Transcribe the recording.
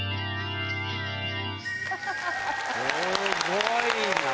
すごいな。